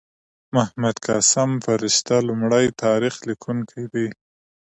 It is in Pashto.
محمد قاسم فرشته لومړی تاریخ لیکونکی دﺉ.